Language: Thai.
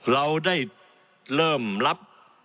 เราได้เริ่มรับ